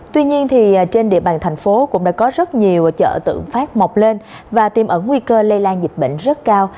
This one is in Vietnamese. tuy nhiên trên địa bàn thành phố cũng đã có rất nhiều chợ tự phát mọc lên và tiêm ẩn nguy cơ lây lan dịch bệnh rất cao